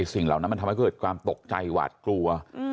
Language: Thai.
สิ่งเหล่านั้นมันทำให้เกิดความตกใจหวาดกลัว